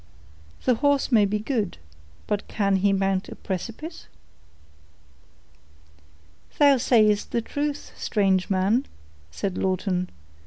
The horse may be good, but can he mount a precipice?_" "Thou sayest the truth, strange man," said Lawton.